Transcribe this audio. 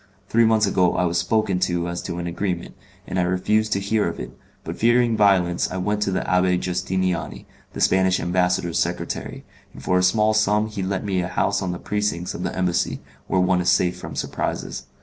Three months ago I was spoken to as to an agreement, and I refused to hear of it, but fearing violence I went to the Abbé Justiniani, the Spanish ambassador's secretary, and for a small sum he let me a house in the precincts of the Embassy, where one is safe from surprises.